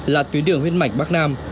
là tuyến đường huyết mạch bắc nam